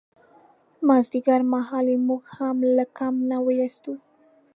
مازدیګرمهال یې موږ هم له کمپ نه ویستو.